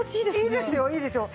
いいですよいいですよ。